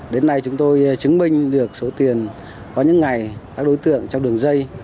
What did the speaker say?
đến nay chúng tôi chứng minh được số tiền có những ngày các đối tượng trong đường dây